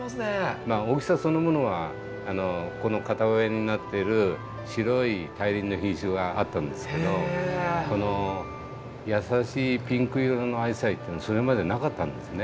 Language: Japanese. まあ大きさそのものはこの片親になってる白い大輪の品種があったんですけどこの優しいピンク色のアジサイっていうのはそれまでなかったんですね。